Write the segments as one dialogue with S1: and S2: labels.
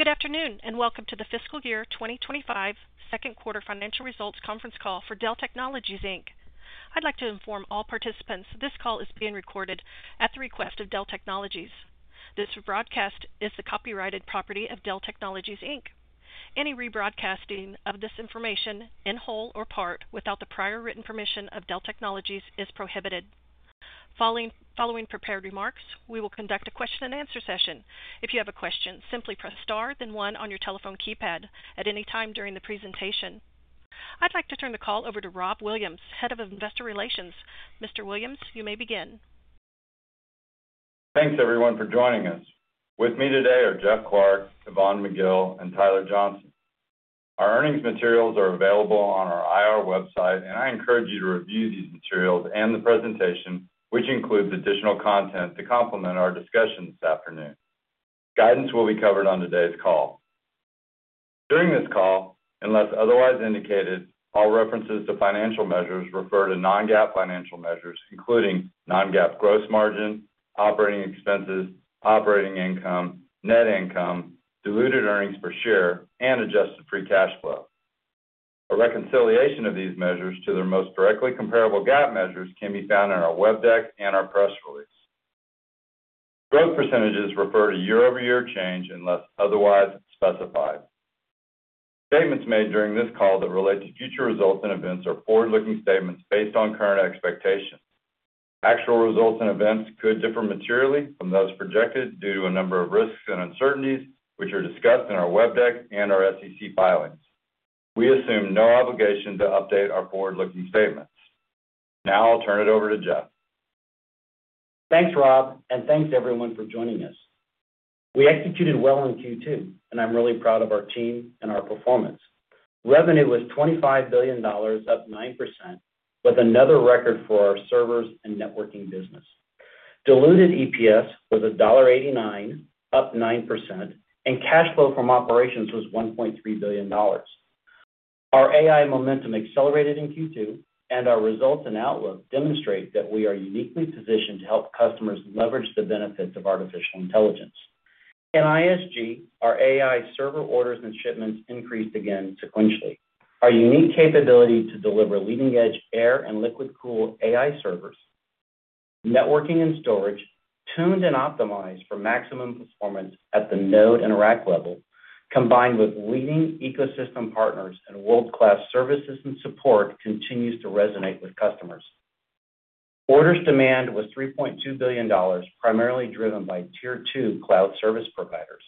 S1: Good afternoon, and welcome to the fiscal year twenty twenty-five second quarter financial results conference call for Dell Technologies Inc. I'd like to inform all participants this call is being recorded at the request of Dell Technologies. This broadcast is the copyrighted property of Dell Technologies Inc. Any rebroadcasting of this information, in whole or part, without the prior written permission of Dell Technologies is prohibited. Following prepared remarks, we will conduct a question-and-answer session. If you have a question, simply press Star, then one on your telephone keypad at any time during the presentation. I'd like to turn the call over to Rob Williams, Head of Investor Relations. Mr. Williams, you may begin.
S2: Thanks, everyone, for joining us. With me today are Jeff Clarke, Yvonne McGill, and Tyler Johnson. Our earnings materials are available on our IR website, and I encourage you to review these materials and the presentation, which includes additional content to complement our discussion this afternoon. Guidance will be covered on today's call. During this call, unless otherwise indicated, all references to financial measures refer to non-GAAP financial measures, including non-GAAP gross margin, operating expenses, operating income, net income, diluted earnings per share, and adjusted free cash flow. A reconciliation of these measures to their most directly comparable GAAP measures can be found in our web deck and our press release. Growth percentages refer to year-over-year change unless otherwise specified. Statements made during this call that relate to future results and events are forward-looking statements based on current expectations. Actual results and events could differ materially from those projected due to a number of risks and uncertainties, which are discussed in our web deck and our SEC filings. We assume no obligation to update our forward-looking statements. Now I'll turn it over to Jeff.
S3: Thanks, Rob, and thanks, everyone, for joining us. We executed well in Q2, and I'm really proud of our team and our performance. Revenue was $25 billion, up 9%, with another record for our servers and networking business. Diluted EPS was $1.89, up 9%, and cash flow from operations was $1.3 billion. Our AI momentum accelerated in Q2, and our results and outlook demonstrate that we are uniquely positioned to help customers leverage the benefits of artificial intelligence. In ISG, our AI server orders and shipments increased again sequentially. Our unique capability to deliver leading-edge air and liquid-cooled AI servers, networking and storage, tuned and optimized for maximum performance at the node and rack level, combined with leading ecosystem partners and world-class services and support, continues to resonate with customers. Order demand was $3.2 billion, primarily driven by Tier 2 cloud service providers.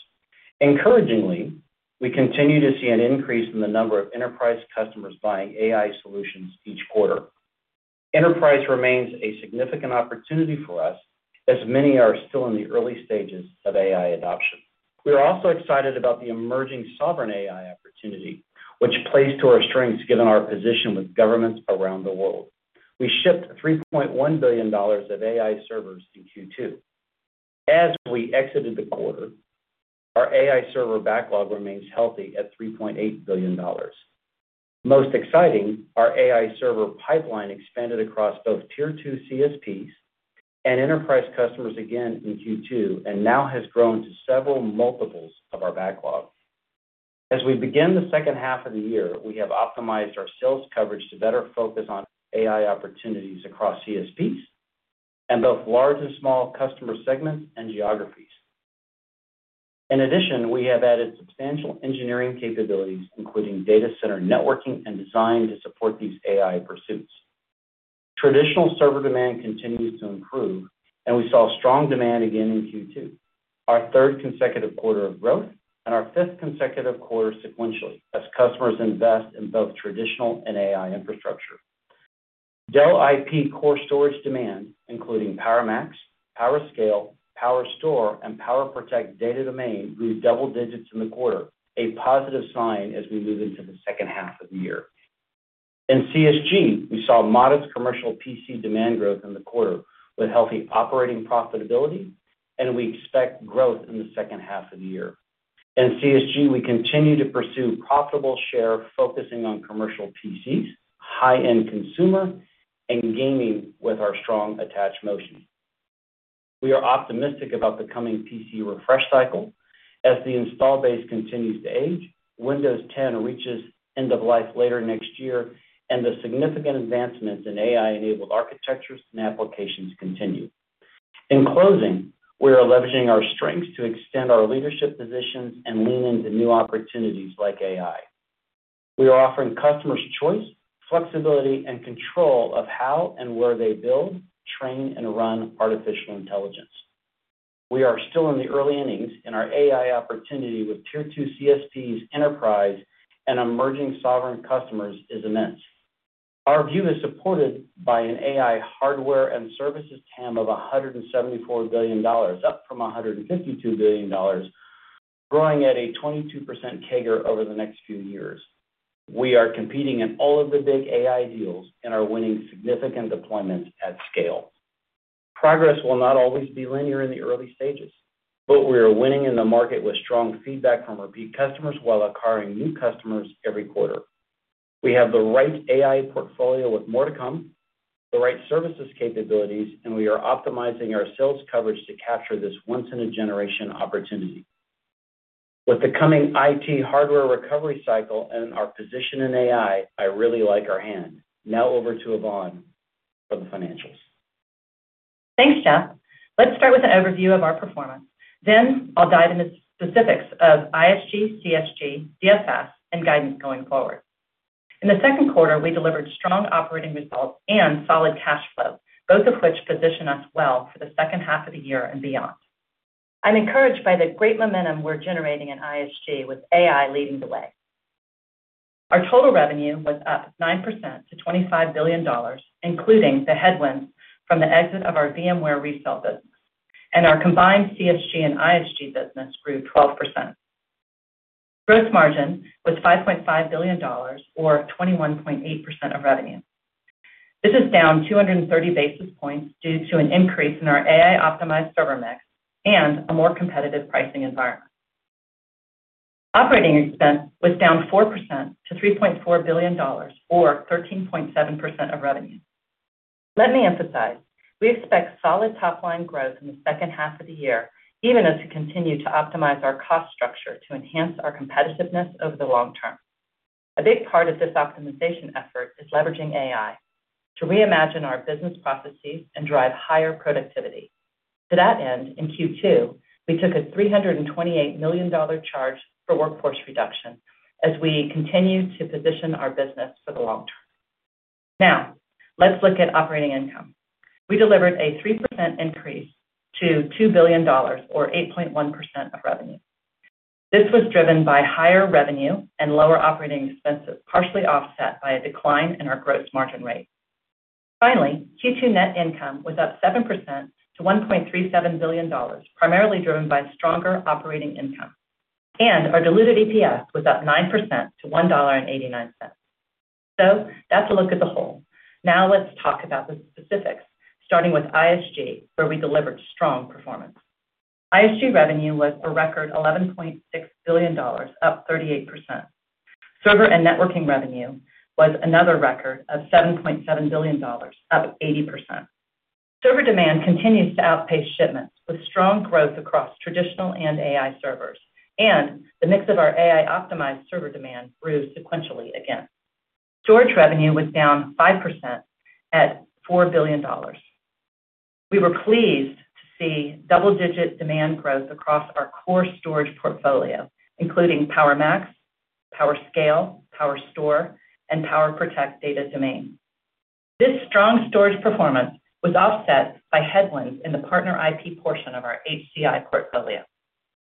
S3: Encouragingly, we continue to see an increase in the number of enterprise customers buying AI solutions each quarter. Enterprise remains a significant opportunity for us, as many are still in the early stages of AI adoption. We are also excited about the emerging sovereign AI opportunity, which plays to our strengths, given our position with governments around the world. We shipped $3.1 billion of AI servers in Q2. As we exited the quarter, our AI server backlog remains healthy at $3.8 billion. Most exciting, our AI server pipeline expanded across both Tier 2 CSPs and enterprise customers again in Q2, and now has grown to several multiples of our backlog. As we begin the second half of the year, we have optimized our sales coverage to better focus on AI opportunities across CSPs and both large and small customer segments and geographies. In addition, we have added substantial engineering capabilities, including data center networking and design, to support these AI pursuits. Traditional server demand continues to improve, and we saw strong demand again in Q2, our third consecutive quarter of growth and our fifth consecutive quarter sequentially, as customers invest in both traditional and AI infrastructure. Dell ISG core storage demand, including PowerMax, PowerScale, PowerStore, and PowerProtect Data Domain, grew double digits in the quarter, a positive sign as we move into the second half of the year. In CSG, we saw modest commercial PC demand growth in the quarter, with healthy operating profitability, and we expect growth in the second half of the year. In CSG, we continue to pursue profitable share, focusing on commercial PCs, high-end consumer, and gaming with our strong attach momentum. We are optimistic about the coming PC refresh cycle as the install base continues to age, Windows 10 reaches end of life later next year, and the significant advancements in AI-enabled architectures and applications continue. In closing, we are leveraging our strengths to extend our leadership positions and lean into new opportunities like AI. We are offering customers choice, flexibility, and control of how and where they build, train, and run artificial intelligence. We are still in the early innings, and our AI opportunity with Tier 2 CSPs, enterprise, and emerging sovereign customers is immense. Our view is supported by an AI hardware and services TAM of $174 billion, up from $152 billion, growing at a 22% CAGR over the next few years. We are competing in all of the big AI deals and are winning significant deployments at scale. Progress will not always be linear in the early stages, but we are winning in the market with strong feedback from repeat customers while acquiring new customers every quarter. We have the right AI portfolio with more to come, the right services capabilities, and we are optimizing our sales coverage to capture this once-in-a-generation opportunity. With the coming IT hardware recovery cycle and our position in AI, I really like our hand. Now over to Yvonne for the financials.
S4: Thanks, Jeff. Let's start with an overview of our performance. Then I'll dive into the specifics of ISG, CSG, DFS, and guidance going forward. In the second quarter, we delivered strong operating results and solid cash flow, both of which position us well for the second half of the year and beyond. I'm encouraged by the great momentum we're generating in ISG, with AI leading the way. Our total revenue was up 9% to $25 billion, including the headwinds from the exit of our VMware resale business, and our combined CSG and ISG business grew 12%. Gross margin was $5.5 billion, or 21.8% of revenue. This is down 230 basis points due to an increase in our AI-optimized server mix and a more competitive pricing environment. Operating expense was down 4% to $3.4 billion, or 13.7% of revenue. Let me emphasize, we expect solid top-line growth in the second half of the year, even as we continue to optimize our cost structure to enhance our competitiveness over the long term. A big part of this optimization effort is leveraging AI to reimagine our business processes and drive higher productivity. To that end, in Q2, we took a $328 million charge for workforce reduction as we continue to position our business for the long term. Now, let's look at operating income. We delivered a 3% increase to $2 billion, or 8.1% of revenue. This was driven by higher revenue and lower operating expenses, partially offset by a decline in our gross margin rate. Finally, Q2 net income was up 7% to $1.37 billion, primarily driven by stronger operating income, and our diluted EPS was up 9% to $1.89. So that's a look at the whole. Now let's talk about the specifics, starting with ISG, where we delivered strong performance. ISG revenue was a record $11.6 billion, up 38%. Server and networking revenue was another record of $7.7 billion, up 80%. Server demand continues to outpace shipments, with strong growth across traditional and AI servers, and the mix of our AI-optimized server demand grew sequentially again. Storage revenue was down 5% at $4 billion. We were pleased to see double-digit demand growth across our core storage portfolio, including PowerMax, PowerScale, PowerStore, and PowerProtect Data Domain. This strong storage performance was offset by headwinds in the partner IP portion of our HCI portfolio.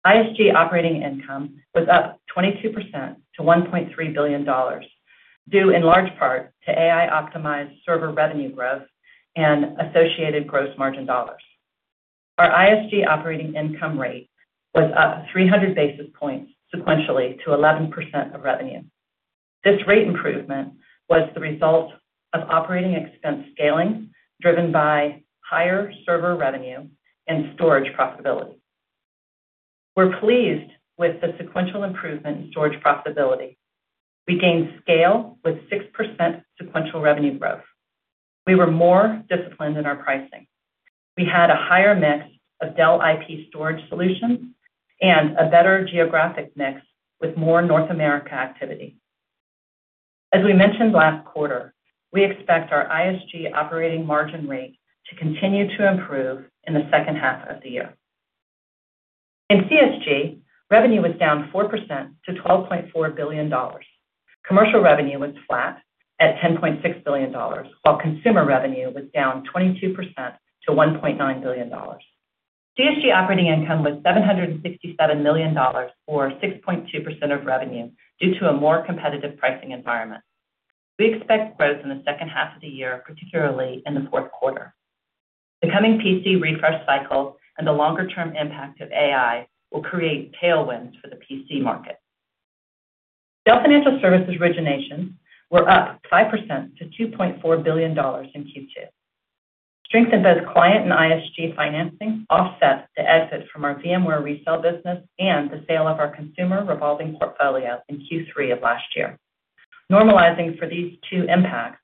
S4: ISG operating income was up 22% to $1.3 billion, due in large part to AI-optimized server revenue growth and associated gross margin dollars. Our ISG operating income rate was up 300 basis points sequentially to 11% of revenue. This rate improvement was the result of operating expense scaling, driven by higher server revenue and storage profitability. We're pleased with the sequential improvement in storage profitability. We gained scale with 6% sequential revenue growth. We were more disciplined in our pricing. We had a higher mix of Dell IP storage solutions and a better geographic mix with more North America activity. As we mentioned last quarter, we expect our ISG operating margin rate to continue to improve in the second half of the year. In CSG, revenue was down 4% to $12.4 billion. Commercial revenue was flat at $10.6 billion, while consumer revenue was down 22% to $1.9 billion. CSG operating income was $767 million, or 6.2% of revenue, due to a more competitive pricing environment. We expect growth in the second half of the year, particularly in the fourth quarter. The coming PC refresh cycle and the longer-term impact of AI will create tailwinds for the PC market. Dell Financial Services originations were up 5% to $2.4 billion in Q2. Strengthened both client and ISG financing offset the exit from our VMware resale business and the sale of our consumer revolving portfolio in Q3 of last year. Normalizing for these two impacts,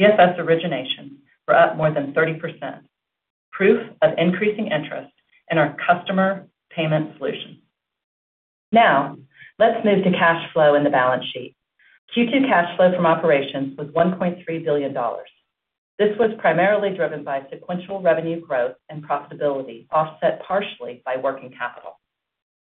S4: DFS originations were up more than 30%, proof of increasing interest in our customer payment solutions. Now, let's move to cash flow and the balance sheet. Q2 cash flow from operations was $1.3 billion. This was primarily driven by sequential revenue growth and profitability, offset partially by working capital.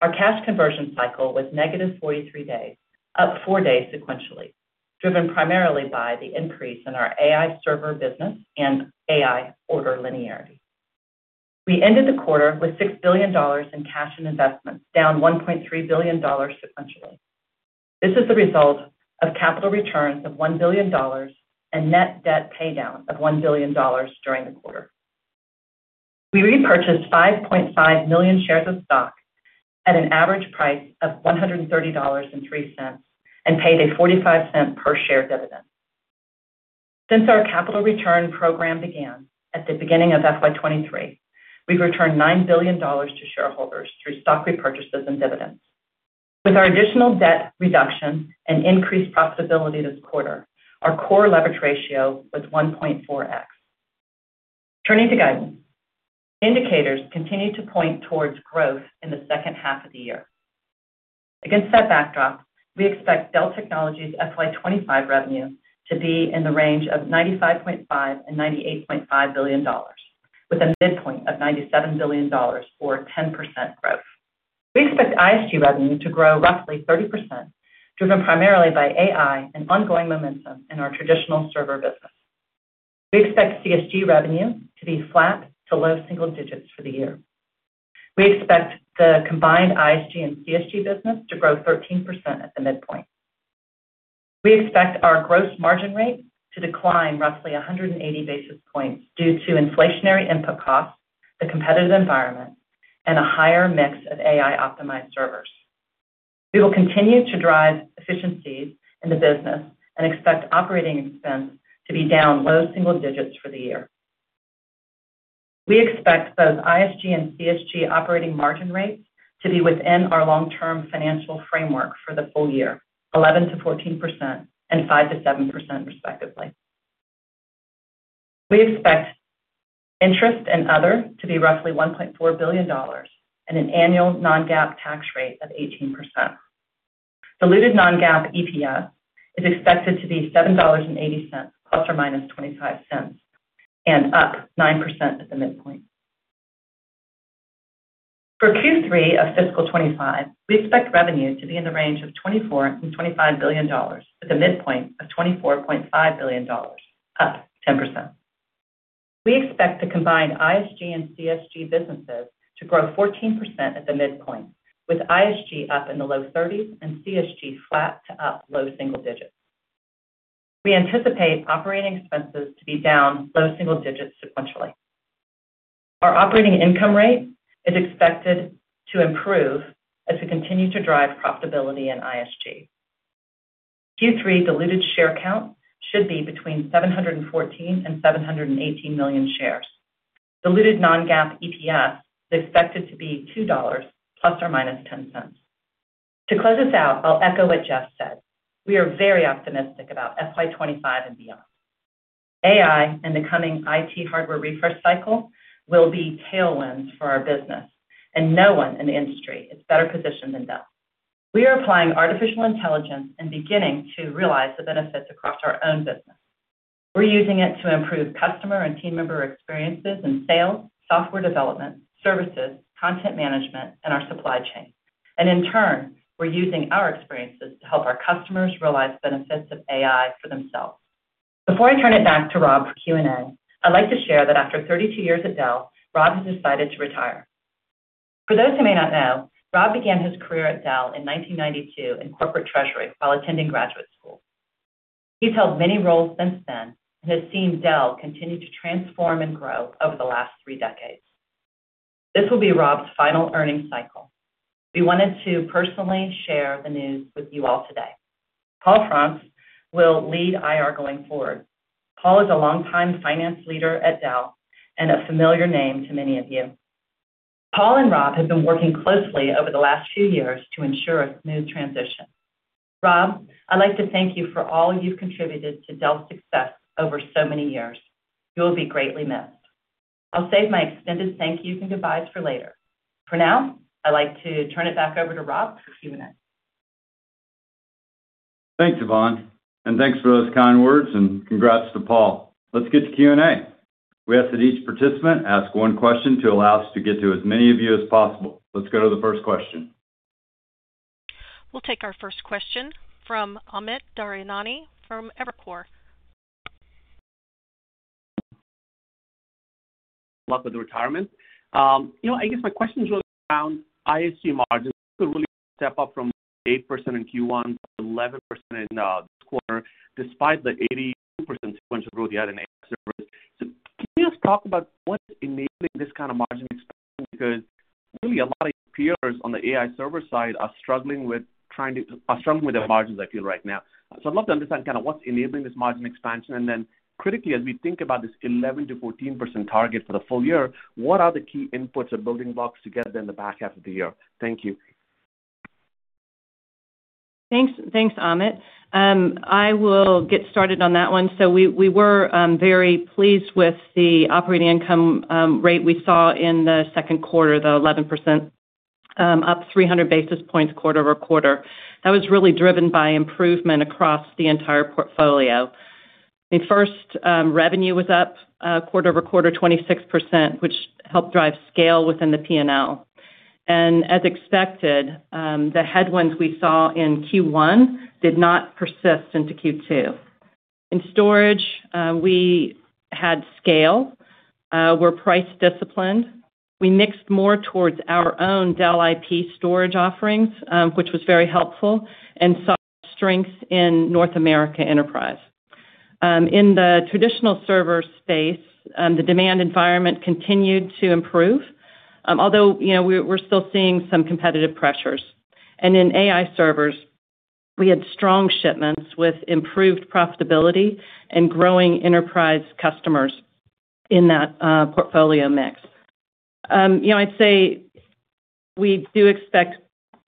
S4: Our cash conversion cycle was negative 43 days, up four days sequentially, driven primarily by the increase in our AI server business and AI order linearity. We ended the quarter with $6 billion in cash and investments, down $1.3 billion sequentially. This is the result of capital returns of $1 billion and net debt paydown of $1 billion during the quarter. We repurchased 5.5 million shares of stock at an average price of $130.03, and paid a $0.45 per share dividend. Since our capital return program began at the beginning of FY 2023, we've returned $9 billion to shareholders through stock repurchases and dividends. With our additional debt reduction and increased profitability this quarter, our core leverage ratio was 1.4x. Turning to guidance. Indicators continue to point towards growth in the second half of the year. Against that backdrop, we expect Dell Technologies' FY 2025 revenue to be in the range of $95.5-$98.5 billion, with a midpoint of $97 billion, or 10% growth. We expect ISG revenue to grow roughly 30%, driven primarily by AI and ongoing momentum in our traditional server business. We expect CSG revenue to be flat to low single digits for the year. We expect the combined ISG and CSG business to grow 13% at the midpoint. We expect our gross margin rate to decline roughly a hundred and eighty basis points due to inflationary input costs, the competitive environment, and a higher mix of AI-optimized servers. We will continue to drive efficiencies in the business and expect operating expense to be down low single digits for the year. We expect both ISG and CSG operating margin rates to be within our long-term financial framework for the full year, 11%-14% and 5%-7%, respectively. We expect interest and other to be roughly $1.4 billion and an annual non-GAAP tax rate of 18%. Diluted non-GAAP EPS is expected to be $7.80, plus or minus $0.25, and up 9% at the midpoint. For Q3 of fiscal 2025, we expect revenue to be in the range of $24-$25 billion, with a midpoint of $24.5 billion, up 10%. We expect the combined ISG and CSG businesses to grow 14% at the midpoint, with ISG up in the low thirties and CSG flat to up low single digits. We anticipate operating expenses to be down low single digits sequentially. Our operating income rate is expected to improve as we continue to drive profitability in ISG. Q3 diluted share count should be between 714 and 718 million shares. Diluted non-GAAP EPS is expected to be $2 plus or minus $0.10. To close us out, I'll echo what Jeff said: We are very optimistic about FY 2025 and beyond. AI and the coming IT hardware refresh cycle will be tailwinds for our business, and no one in the industry is better positioned than Dell. We are applying artificial intelligence and beginning to realize the benefits across our own business. We're using it to improve customer and team member experiences in sales, software development, services, content management, and our supply chain, and in turn, we're using our experiences to help our customers realize the benefits of AI for themselves. Before I turn it back to Rob for Q&A, I'd like to share that after 32 years at Dell, Rob has decided to retire. For those who may not know, Rob began his career at Dell in 1992 in corporate treasury while attending graduate school. He's held many roles since then and has seen Dell continue to transform and grow over the last three decades. This will be Rob's final earnings cycle. We wanted to personally share the news with you all today. Paul Frantz will lead IR going forward. Paul is a longtime finance leader at Dell and a familiar name to many of you. Paul and Rob have been working closely over the last few years to ensure a smooth transition. Rob, I'd like to thank you for all you've contributed to Dell's success over so many years. You will be greatly missed. I'll save my extended thank yous and goodbyes for later. For now, I'd like to turn it back over to Rob for Q&A.
S2: Thanks, Yvonne, and thanks for those kind words, and congrats to Paul. Let's get to Q&A. We ask that each participant ask one question to allow us to get to as many of you as possible. Let's go to the first question.
S1: We'll take our first question from Amit Daryanani from Evercore.
S5: Good luck with the retirement. You know, I guess my question is really around ISG margins. It's a really step up from 8% in Q1 to 11% in this quarter, despite the 82% sequential growth you had in AI servers. So can you just talk about what's enabling this kind of margin expansion? Because really, a lot of your peers on the AI server side are struggling with their margins, I feel, right now. So I'd love to understand kind of what's enabling this margin expansion, and then critically, as we think about this 11%-14% target for the full year, what are the key inputs or building blocks to get there in the back half of the year? Thank you.
S4: Thanks, Amit. I will get started on that one. So we were very pleased with the operating income rate we saw in the second quarter, the 11% up 300 basis points quarter over quarter. That was really driven by improvement across the entire portfolio. I mean, first, revenue was up quarter over quarter, 26%, which helped drive scale within the P&L. And as expected, the headwinds we saw in Q1 did not persist into Q2. In storage, we had scale, we're price disciplined. We mixed more towards our own Dell IP storage offerings, which was very helpful, and saw strength in North America enterprise. In the traditional server space, the demand environment continued to improve, although, you know, we're still seeing some competitive pressures.... And in AI servers, we had strong shipments with improved profitability and growing enterprise customers in that portfolio mix. You know, I'd say we do expect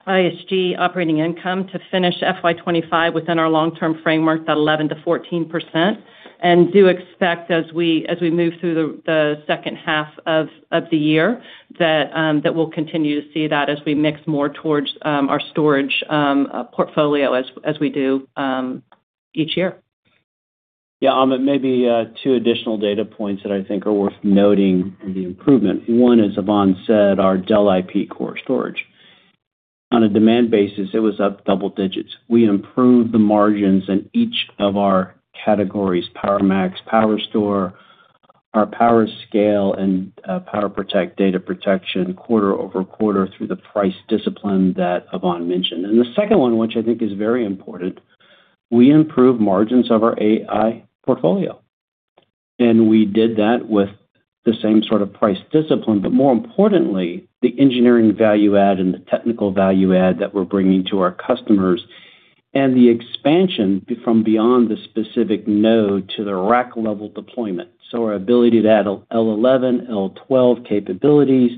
S4: ISG operating income to finish FY25 within our long-term framework, that 11%-14%, and do expect as we move through the second half of the year, that we'll continue to see that as we mix more towards our storage portfolio as we do each year.
S3: Yeah, Amit, maybe two additional data points that I think are worth noting in the improvement. One, as Yvonne said, our Dell IP core storage. On a demand basis, it was up double digits. We improved the margins in each of our categories, PowerMax, PowerStore, our PowerScale, and PowerProtect data protection, quarter over quarter through the price discipline that Yvonne mentioned, and the second one, which I think is very important, we improved margins of our AI portfolio, and we did that with the same sort of price discipline, but more importantly, the engineering value add and the technical value add that we're bringing to our customers, and the expansion from beyond the specific node to the rack-level deployment. So our ability to add L11, L12 capabilities,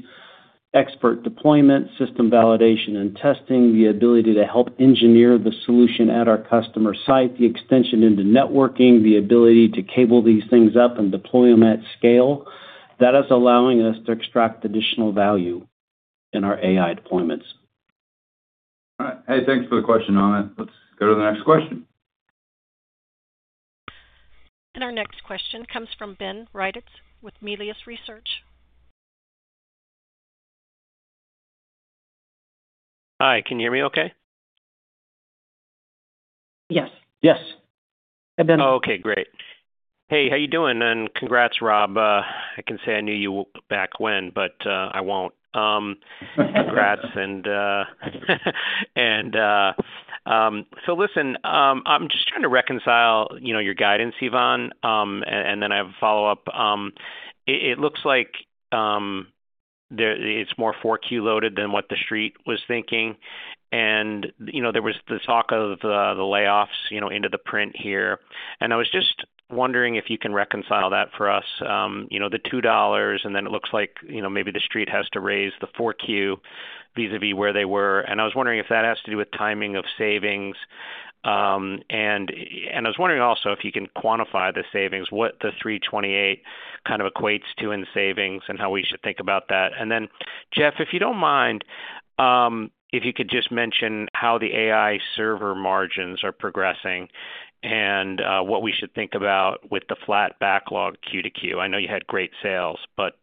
S3: expert deployment, system validation and testing, the ability to help engineer the solution at our customer site, the extension into networking, the ability to cable these things up and deploy them at scale, that is allowing us to extract additional value in our AI deployments.
S2: All right. Hey, thanks for the question, Amit. Let's go to the next question.
S1: Our next question comes from Ben Reitzes with Melius Research.
S6: Hi, can you hear me okay?
S4: Yes.
S3: Yes, and Ben-
S6: Oh, okay, great. Hey, how are you doing? And congrats, Rob. I can say I knew you back when, but, I won't. Congrats, and, so listen, I'm just trying to reconcile, you know, your guidance, Yvonne, and then I have a follow-up. It looks like it's more 4Q loaded than what the street was thinking, and, you know, there was the talk of the layoffs, you know, into the print here. And I was just wondering if you can reconcile that for us, you know, the two dollars, and then it looks like, you know, maybe the street has to raise the 4Q vis-à-vis where they were. And I was wondering if that has to do with timing of savings. I was wondering also if you can quantify the savings, what the three twenty-eight kind of equates to in savings and how we should think about that. And then, Jeff, if you don't mind, if you could just mention how the AI server margins are progressing and what we should think about with the flat backlog Q2Q. I know you had great sales, but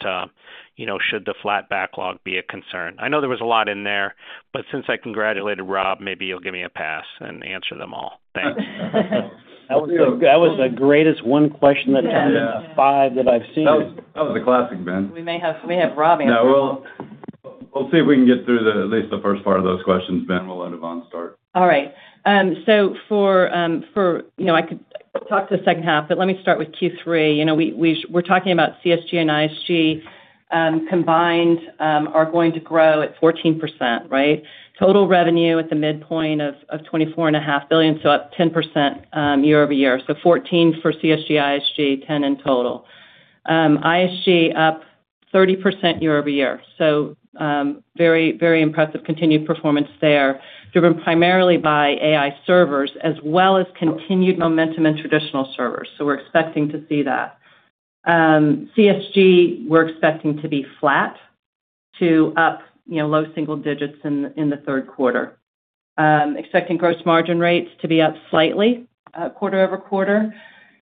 S6: you know, should the flat backlog be a concern? I know there was a lot in there, but since I congratulated Rob, maybe you'll give me a pass and answer them all. Thanks.
S3: That was the greatest one question that turned into five that I've seen.
S2: That was, that was a classic, Ben.
S4: We may have Rob here.
S2: Yeah, we'll see if we can get through at least the first part of those questions, Ben. We'll let Yvonne start.
S4: All right. So for you know, I could talk to the second half, but let me start with Q3. You know, we're talking about CSG and ISG combined are going to grow at 14%, right? Total revenue at the midpoint of $24.5 billion, so up 10% year over year. So 14% for CSG, ISG, 10% in total. ISG up 30% year over year. So, very, very impressive continued performance there, driven primarily by AI servers, as well as continued momentum in traditional servers. So we're expecting to see that. CSG, we're expecting to be flat to up, you know, low single digits in the third quarter. Expecting gross margin rates to be up slightly, quarter over quarter.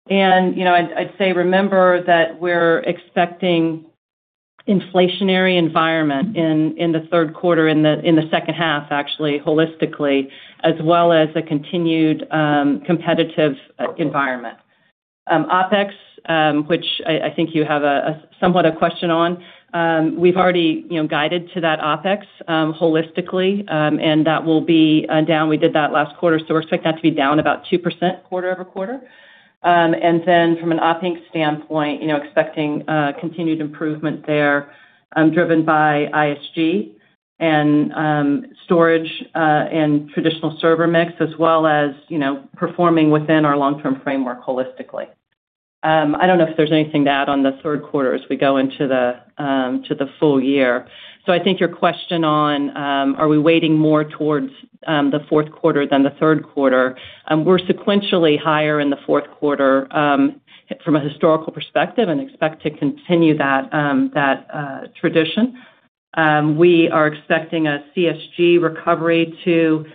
S4: You know, I'd say remember that we're expecting inflationary environment in the third quarter, in the second half, actually, holistically, as well as a continued competitive environment. OpEx, which I think you have a somewhat a question on, we've already, you know, guided to that OpEx holistically, and that will be down. We did that last quarter, so we're expecting that to be down about 2% quarter over quarter. And then from Op Inc standpoint, you know, expecting continued improvement there, driven by ISG and storage and traditional server mix, as well as, you know, performing within our long-term framework holistically. I don't know if there's anything to add on the third quarter as we go into the full year. So I think your question on, are we weighting more towards, the fourth quarter than the third quarter, we're sequentially higher in the fourth quarter, from a historical perspective, and expect to continue that tradition. We are expecting a CSG recovery to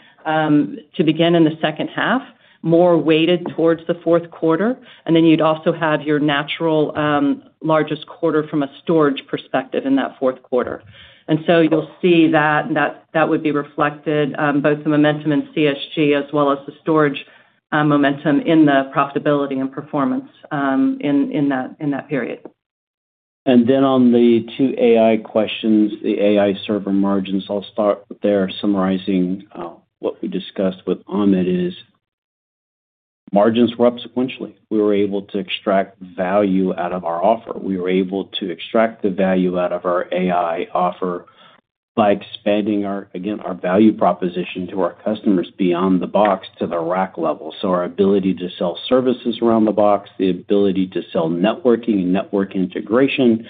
S4: begin in the second half, more weighted towards the fourth quarter, and then you'd also have your natural, largest quarter from a storage perspective in that fourth quarter, and so you'll see that would be reflected, both the momentum in CSG as well as the storage momentum in the profitability and performance, in that period.
S3: Then on the two AI questions, the AI server margins, I'll start there, summarizing what we discussed with Amit. Margins were up sequentially. We were able to extract value out of our offer. We were able to extract the value out of our AI offer by expanding our, again, our value proposition to our customers beyond the box to the rack level. So our ability to sell services around the box, the ability to sell networking and network integration,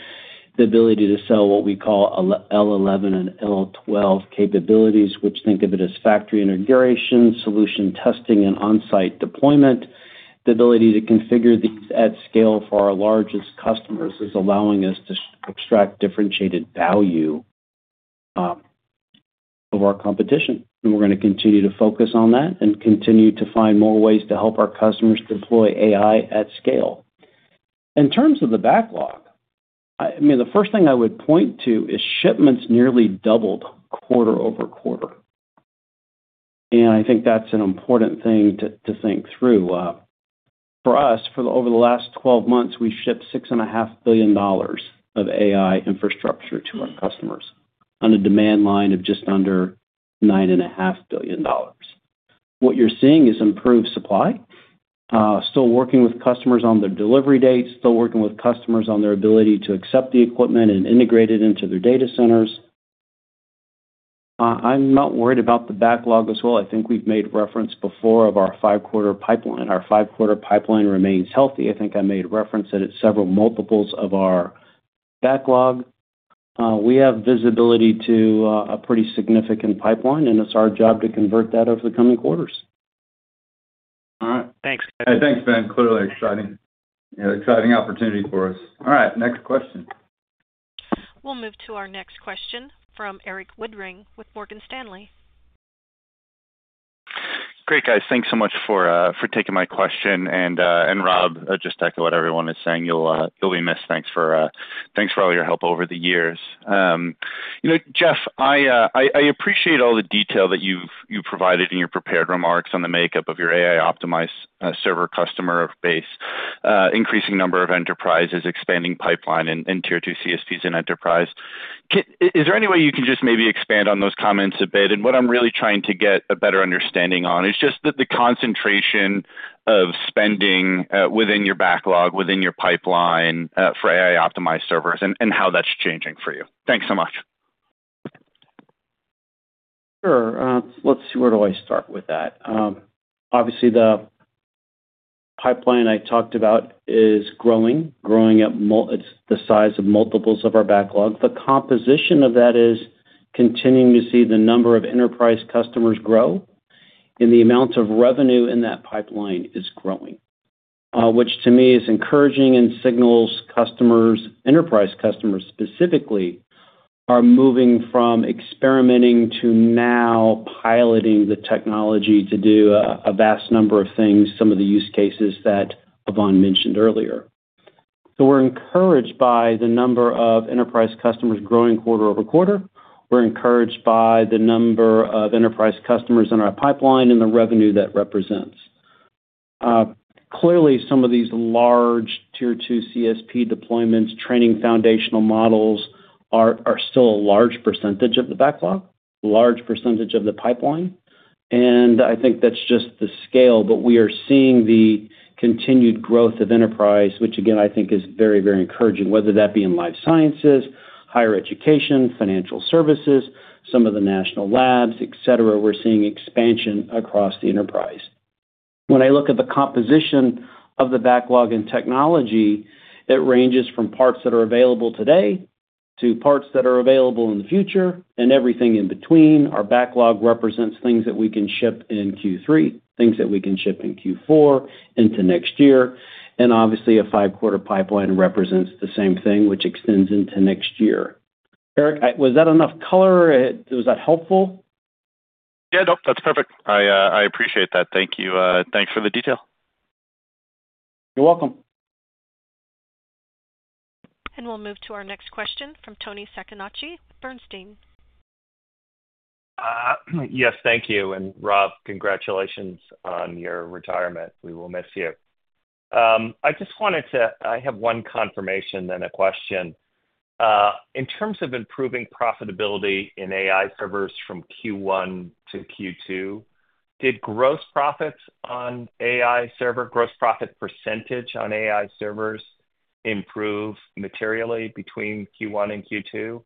S3: the ability to sell what we call L11 and L12 capabilities, which think of it as factory integration, solution testing, and on-site deployment. The ability to configure these at scale for our largest customers is allowing us to extract differentiated value of our competition, and we're gonna continue to focus on that and continue to find more ways to help our customers deploy AI at scale. In terms of the backlog, I mean, the first thing I would point to is shipments nearly doubled quarter over quarter, and I think that's an important thing to think through. For us, over the last 12 months, we've shipped $6.5 billion of AI infrastructure to our customers on a demand line of just under $9.5 billion. What you're seeing is improved supply, still working with customers on their delivery dates, still working with customers on their ability to accept the equipment and integrate it into their data centers. I'm not worried about the backlog as well. I think we've made reference before of our five-quarter pipeline. Our five-quarter pipeline remains healthy. I think I made reference that it's several multiples of our backlog. We have visibility to a pretty significant pipeline, and it's our job to convert that over the coming quarters.
S6: All right. Thanks, guys.
S2: Hey, thanks, Ben. Clearly exciting. Yeah, exciting opportunity for us. All right, next question.
S1: We'll move to our next question from Eric Woodring with Morgan Stanley.
S7: Great, guys. Thanks so much for taking my question. And Rob, I just echo what everyone is saying, you'll be missed. Thanks for all your help over the years. You know, Jeff, I appreciate all the detail that you've provided in your prepared remarks on the makeup of your AI optimized server customer base, increasing number of enterprises, expanding pipeline and Tier 2 CSPs and enterprise. Is there any way you can just maybe expand on those comments a bit? And what I'm really trying to get a better understanding on is just the concentration of spending within your backlog, within your pipeline for AI optimized servers and how that's changing for you. Thanks so much.
S3: Sure. Let's see, where do I start with that? Obviously, the pipeline I talked about is growing. It's the size of multiples of our backlog. The composition of that is continuing to see the number of enterprise customers grow, and the amount of revenue in that pipeline is growing, which to me is encouraging and signals customers, enterprise customers specifically, are moving from experimenting to now piloting the technology to do a vast number of things, some of the use cases that Yvonne mentioned earlier, so we're encouraged by the number of enterprise customers growing quarter over quarter. We're encouraged by the number of enterprise customers in our pipeline and the revenue that represents. Clearly, some of these large Tier 2 CSP deployments, training foundational models are still a large percentage of the backlog, large percentage of the pipeline, and I think that's just the scale. But we are seeing the continued growth of enterprise, which again, I think is very, very encouraging, whether that be in life sciences, higher education, financial services, some of the national labs, et cetera. We're seeing expansion across the enterprise. When I look at the composition of the backlog in technology, it ranges from parts that are available today to parts that are available in the future and everything in between. Our backlog represents things that we can ship in Q3, things that we can ship in Q4 into next year, and obviously, a five-quarter pipeline represents the same thing, which extends into next year. Eric, was that enough color? Was that helpful?
S7: Yeah, nope, that's perfect. I, I appreciate that. Thank you. Thanks for the detail.
S3: You're welcome.
S1: We'll move to our next question from Toni Sacconaghi with Bernstein.
S8: Yes, thank you. And Rob, congratulations on your retirement. We will miss you. I just wanted to... I have one confirmation, then a question. In terms of improving profitability in AI servers from Q1 to Q2, did gross profits on AI server, gross profit percentage on AI servers improve materially between Q1 and Q2,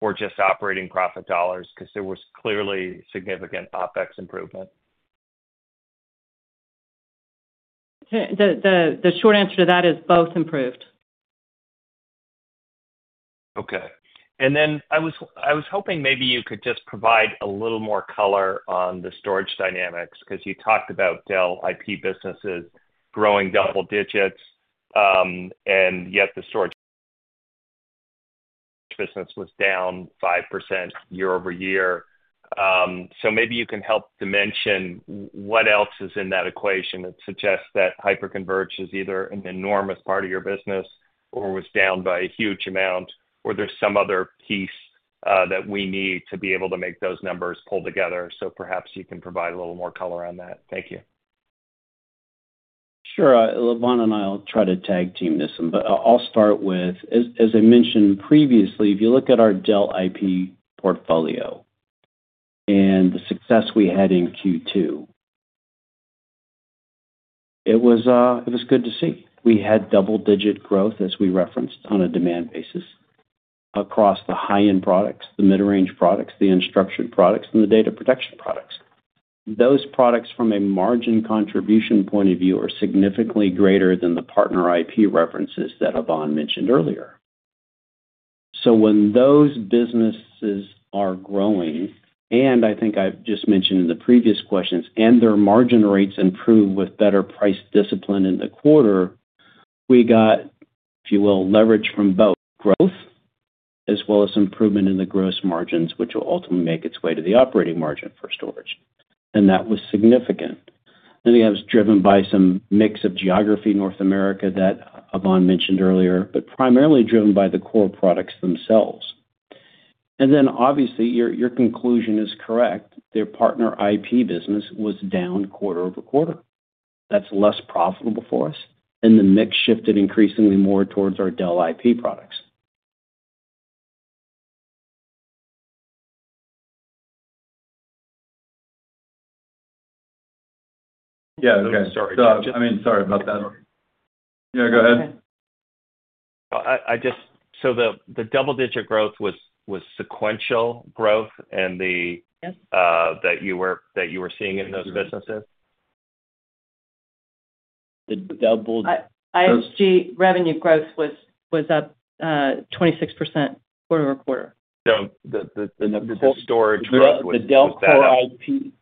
S8: or just operating profit dollars? Because there was clearly significant OpEx improvement.
S4: The short answer to that is both improved.
S8: Okay. And then I was hoping maybe you could just provide a little more color on the storage dynamics, because you talked about Dell ISG businesses growing double digits, and yet the storage business was down 5% year over year. So maybe you can help dimension what else is in that equation that suggests that hyperconverged is either an enormous part of your business or was down by a huge amount, or there's some other piece, that we need to be able to make those numbers pull together. So perhaps you can provide a little more color on that. Thank you.
S3: Sure. Yvonne and I will try to tag-team this one, but I'll start with, as I mentioned previously, if you look at our Dell IP portfolio and the success we had in Q2, it was good to see. We had double-digit growth, as we referenced, on a demand basis across the high-end products, the mid-range products, the unstructured products, and the data protection products. Those products, from a margin contribution point of view, are significantly greater than the partner IP references that Yvonne mentioned earlier. So when those businesses are growing, and I think I've just mentioned in the previous questions, and their margin rates improve with better price discipline in the quarter, we got, if you will, leverage from both growth as well as improvement in the gross margins, which will ultimately make its way to the operating margin for storage. And that was significant. I think it was driven by some mix of geography, North America, that Yvonne mentioned earlier, but primarily driven by the core products themselves. And then, obviously, your conclusion is correct. Their partner IP business was down quarter over quarter. That's less profitable for us, and the mix shifted increasingly more towards our Dell IP products.
S2: Yeah, okay. Sorry. I mean, sorry about that. Yeah, go ahead.
S8: So the double-digit growth was sequential growth and the-
S4: Yes.
S8: That you were seeing in those businesses?
S3: The double-
S4: ISG revenue growth was up 26% quarter over quarter.
S8: So the storage was-
S3: The Dell Core IP.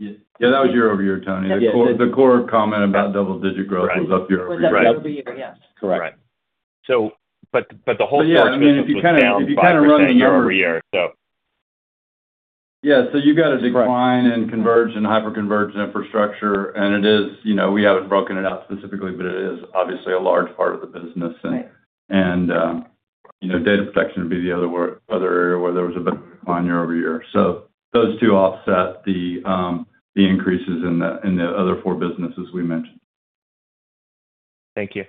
S2: Yeah, that was year over year, Toni. The core comment about double digit growth was up year over year.
S4: Was up year over year, yes.
S3: Correct.
S8: Right. But the whole business was down 5% year over year, so.
S2: Yeah, so you've got a decline in converged and hyperconverged infrastructure, and it is... You know, we haven't broken it out specifically, but it is obviously a large part of the business.
S4: Right.
S2: You know, data protection would be the other area where there was a decline year over year. Those two offset the increases in the other four businesses we mentioned.
S8: Thank you.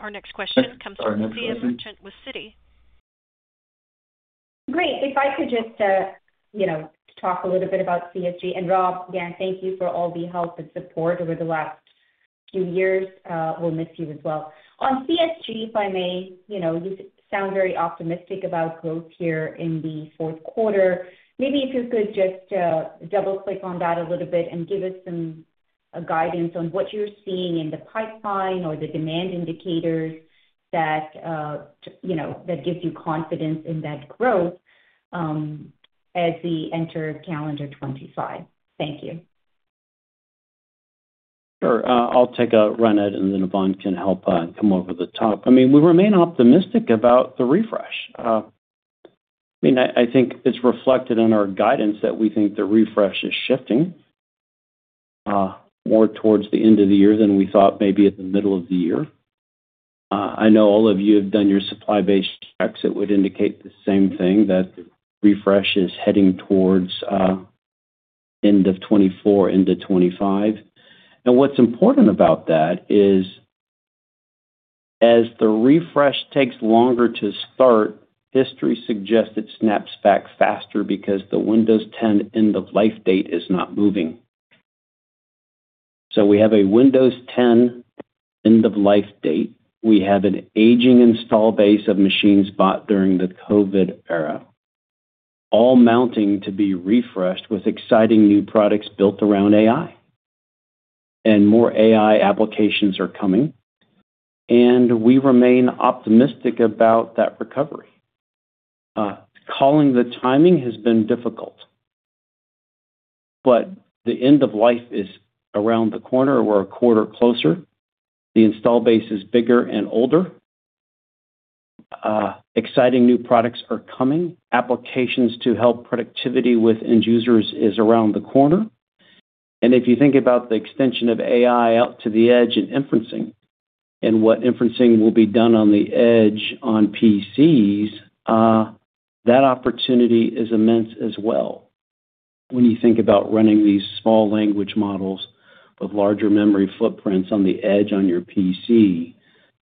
S1: Our next question comes from Asiya Merchant with Citi.
S9: Great. If I could just, you know, talk a little bit about CSG. And Rob, again, thank you for all the help and support over the last few years. We'll miss you as well. On CSG, if I may, you know, you sound very optimistic about growth here in the fourth quarter. Maybe if you could just, double-click on that a little bit and give us some guidance on what you're seeing in the pipeline or the demand indicators that, you know, that gives you confidence in that growth, as we enter calendar 2025. Thank you.
S3: Sure. I'll take a run at it, and then Yvonne can help come over the top. I mean, we remain optimistic about the refresh. I mean, I think it's reflected in our guidance that we think the refresh is shifting more towards the end of the year than we thought maybe at the middle of the year. I know all of you have done your supply base checks. It would indicate the same thing, that refresh is heading towards end of 2024 into 2025. And what's important about that is, as the refresh takes longer to start, history suggests it snaps back faster because the Windows 10 end-of-life date is not moving. So we have a Windows 10 end-of-life date. We have an aging install base of machines bought during the COVID era, all mounting to be refreshed with exciting new products built around AI, and more AI applications are coming, and we remain optimistic about that recovery. Calling the timing has been difficult, but the end of life is around the corner, or we're a quarter closer. The install base is bigger and older. Exciting new products are coming. Applications to help productivity with end users is around the corner, and if you think about the extension of AI out to the edge and inferencing, and what inferencing will be done on the edge on PCs, that opportunity is immense as well. When you think about running these small language models with larger memory footprints on the edge on your PC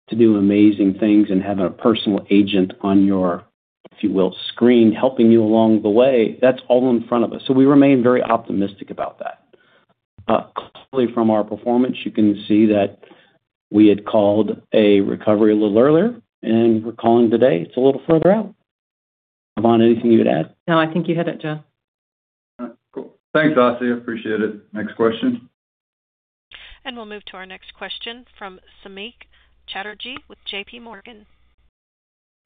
S3: to do amazing things and have a personal agent on your, if you will, screen, helping you along the way, that's all in front of us, so we remain very optimistic about that. Clearly, from our performance, you can see that we had called a recovery a little earlier, and we're calling today. It's a little further out. Yvonne, anything you'd add?
S4: No, I think you hit it, Jeff.
S2: All right, cool. Thanks, Asiya. Appreciate it. Next question.
S1: We'll move to our next question from Samik Chatterjee with J.P. Morgan.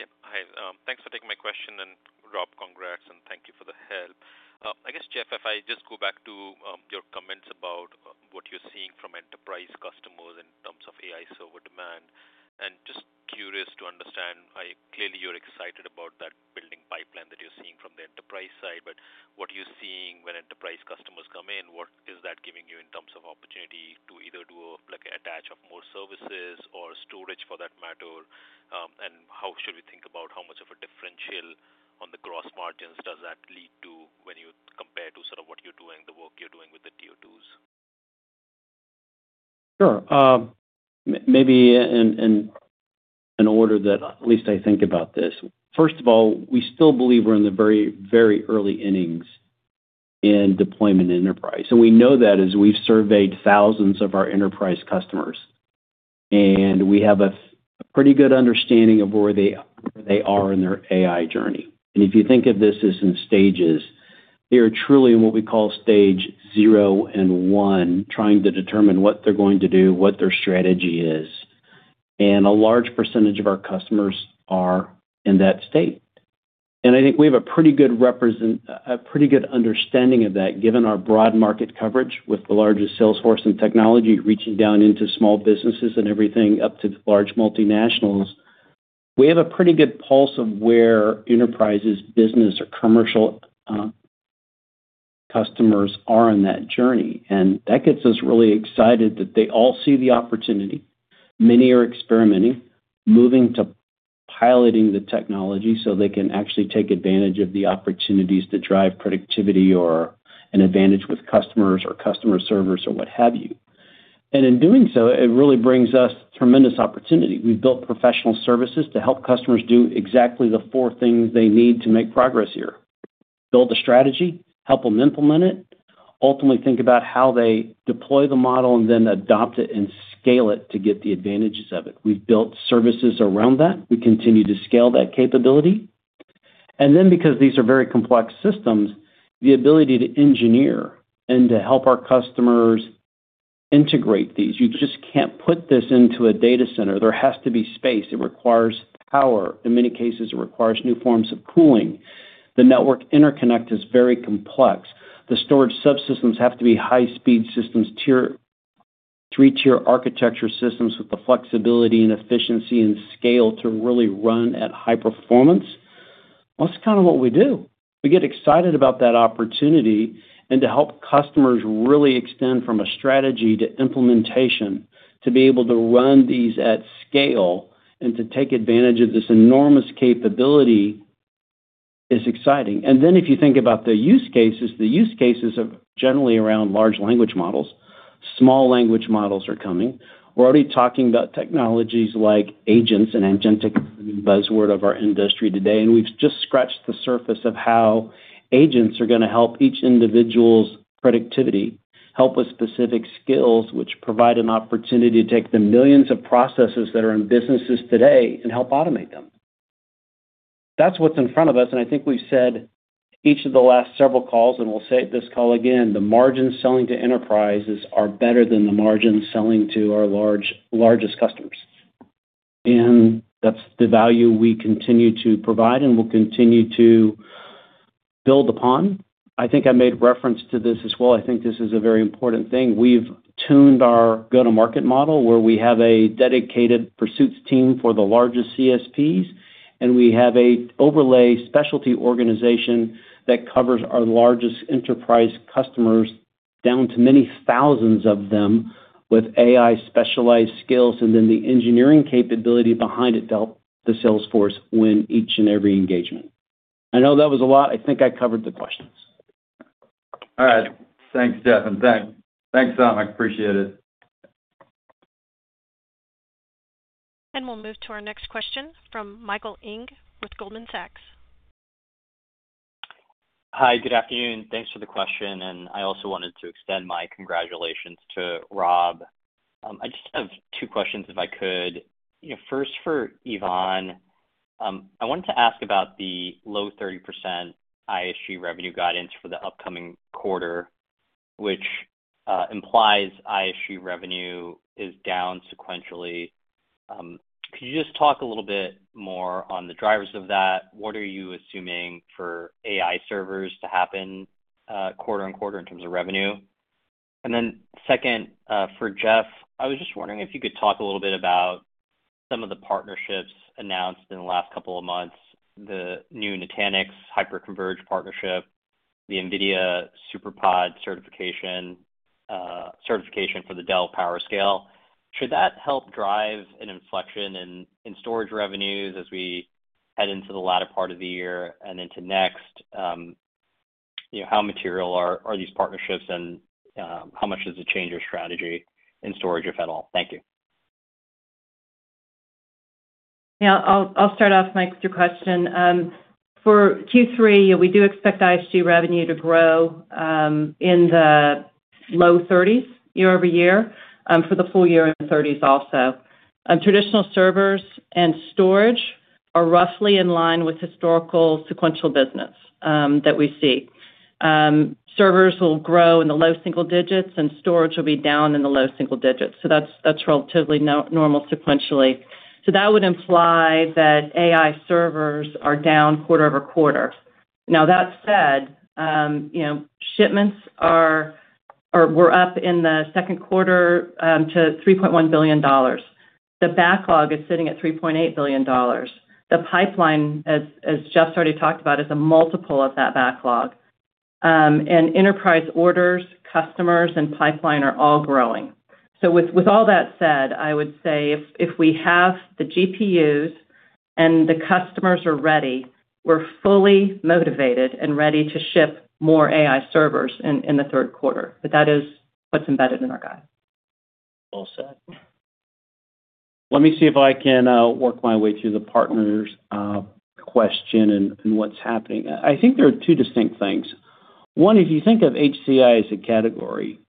S10: Yep. Hi, thanks for taking my question, and Rob, congrats, and thank you for the help. I guess, Jeff, if I just go back to, your comments about, what you're seeing from enterprise customers in terms of AI server demand, and just curious to understand, clearly you're excited about that building pipeline that you're seeing from the enterprise side, but what are you seeing when enterprise customers come in? What is that giving you in terms of opportunity to either do, like, attach of more services or storage for that matter? And how should we think about how much of a differential on the gross margins does that lead to when you compare to sort of what you're doing, the work you're doing-...
S3: Sure. Maybe in order that at least I think about this. First of all, we still believe we're in the very, very early innings in deployment enterprise, and we know that as we've surveyed thousands of our enterprise customers, and we have a pretty good understanding of where they, where they are in their AI journey. And if you think of this as in stages, they are truly in what we call stage zero and one, trying to determine what they're going to do, what their strategy is. And a large percentage of our customers are in that state. And I think we have a pretty good understanding of that, given our broad market coverage with the largest sales force in technology, reaching down into small businesses and everything up to large multinationals. We have a pretty good pulse of where enterprises, business, or commercial, customers are on that journey, and that gets us really excited that they all see the opportunity. Many are experimenting, moving to piloting the technology so they can actually take advantage of the opportunities to drive productivity or an advantage with customers or customer service or what have you. And in doing so, it really brings us tremendous opportunity. We've built professional services to help customers do exactly the four things they need to make progress here: build a strategy, help them implement it, ultimately think about how they deploy the model, and then adopt it and scale it to get the advantages of it. We've built services around that. We continue to scale that capability. And then, because these are very complex systems, the ability to engineer and to help our customers integrate these, you just can't put this into a data center. There has to be space. It requires power. In many cases, it requires new forms of cooling. The network interconnect is very complex. The storage subsystems have to be high-speed systems, three-tier architecture systems with the flexibility and efficiency and scale to really run at high performance. Well, that's kind of what we do. We get excited about that opportunity and to help customers really extend from a strategy to implementation, to be able to run these at scale and to take advantage of this enormous capability is exciting. And then, if you think about the use cases, the use cases are generally around large language models. Small language models are coming. We're already talking about technologies like agents, and agentic, the buzzword of our industry today, and we've just scratched the surface of how agents are going to help each individual's productivity, help with specific skills, which provide an opportunity to take the millions of processes that are in businesses today and help automate them. That's what's in front of us, and I think we've said each of the last several calls, and we'll say it this call again, the margin selling to enterprises are better than the margin selling to our largest customers. And that's the value we continue to provide and will continue to build upon. I think I made reference to this as well. I think this is a very important thing. We've tuned our go-to-market model, where we have a dedicated pursuits team for the largest CSPs, and we have a overlay specialty organization that covers our largest enterprise customers, down to many thousands of them, with AI specialized skills, and then the engineering capability behind it to help the sales force win each and every engagement. I know that was a lot. I think I covered the questions.
S2: All right. Thanks, Jeff, and thanks, Sam. I appreciate it.
S1: And we'll move to our next question from Michael Ng with Goldman Sachs.
S11: Hi, good afternoon. Thanks for the question, and I also wanted to extend my congratulations to Rob. I just have two questions, if I could. You know, first, for Yvonne, I wanted to ask about the low 30% ISG revenue guidance for the upcoming quarter, which implies ISG revenue is down sequentially. Could you just talk a little bit more on the drivers of that? What are you assuming for AI servers to happen quarter and quarter in terms of revenue? And then second, for Jeff, I was just wondering if you could talk a little bit about some of the partnerships announced in the last couple of months, the new Nutanix hyperconverged partnership, the NVIDIA SuperPOD certification, certification for the Dell PowerScale. Should that help drive an inflection in storage revenues as we head into the latter part of the year and into next, you know, how material are these partnerships and, how much does it change your strategy in storage, if at all? Thank you.
S4: Yeah, I'll start off, Mike, with your question. For Q3, we do expect ISG revenue to grow in the low 30s% year over year, for the full year in 30s% also. Traditional servers and storage are roughly in line with historical sequential business that we see. Servers will grow in the low single digits, and storage will be down in the low single digits, so that's relatively normal sequentially. So that would imply that AI servers are down quarter over quarter. Now, that said, you know, shipments or were up in the second quarter to $3.1 billion. The backlog is sitting at $3.8 billion. The pipeline, as Jeff already talked about, is a multiple of that backlog. And enterprise orders, customers, and pipeline are all growing. So with all that said, I would say if we have the GPUs and the customers are ready. We're fully motivated and ready to ship more AI servers in the third quarter, but that is what's embedded in our guide.
S2: All set.
S3: Let me see if I can work my way through the partners question and what's happening. I think there are two distinct things. One, if you think of HCI as a category,